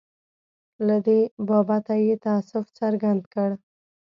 له دې بابته یې تأسف څرګند کړ.